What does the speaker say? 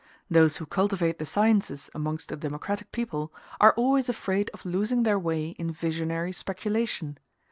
Those who cultivate the sciences amongst a democratic people are always afraid of losing their way in visionary speculation.